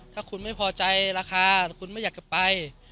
ถ้าคุณไม่พอใจราคาคุณไม่อยากจะไป